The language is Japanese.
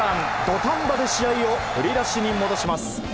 土壇場で試合を振り出しに戻します。